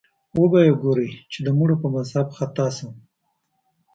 وبه یې ګورې چې د مړو په مذهب خطا شم